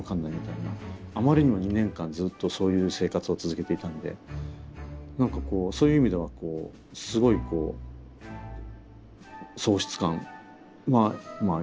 あまりにも２年間ずっとそういう生活を続けていたんで何かこうそういう意味ではすごいこう喪失感は感じますね。